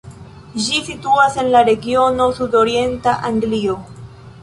Ĝi situas en la regiono sudorienta Anglio.